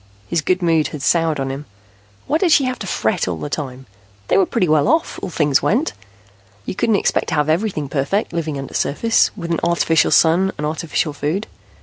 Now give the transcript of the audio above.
His good mood had soured on him. Why did she have to fret all the time? They were pretty well off, as things went. You couldn't expect to have everything perfect, living undersurface, with an artificial sun and artificial food.